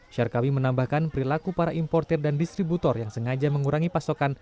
syarkawi menambahkan perilaku para importer dan distributor yang sengaja mengurangi pasokan